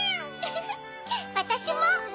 フフフわたしも！